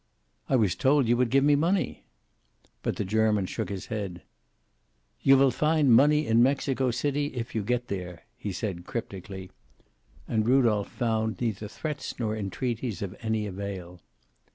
"I was told you would give me money." But the German shook his head. "You viii find money in Mexico City, if you get there," he said, cryptically. And Rudolph found neither threats nor entreaties of any avail.